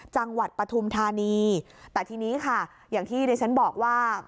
ปฐุมธานีแต่ทีนี้ค่ะอย่างที่ดิฉันบอกว่า